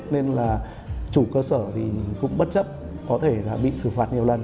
nên là chủ cơ sở thì cũng bất chấp có thể là bị xử phạt nhiều lần